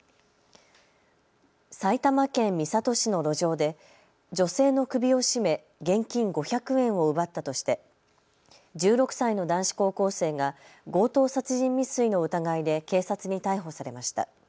埼玉県三郷市の路上で女性の首を絞め現金５００円を奪ったとして１６歳の男子高校生が強盗殺人未遂の疑いで警察に逮捕されました。